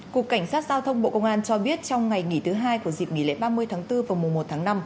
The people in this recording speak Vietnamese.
cục cảnh sát giao thông bộ công an cho biết trong ngày nghỉ thứ hai của dịp nghỉ lễ ba mươi tháng bốn và mùa một tháng năm